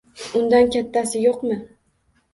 Undan kattasi yo‘qmi?